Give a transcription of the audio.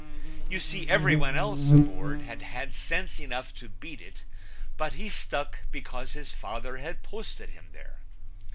You see, everyone else aboard had had sense enough to beat it, but he stuck because his father had posted him there.